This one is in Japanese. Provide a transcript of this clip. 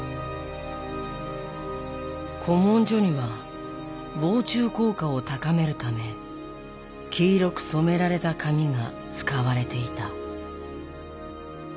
古文書には防虫効果を高めるため黄色く染められた紙が使われていた。